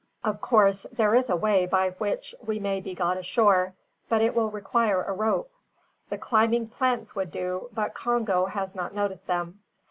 Of course there is a way by which we may be got ashore; but it will require a rope. The climbing plants would do, but Congo has not noticed them.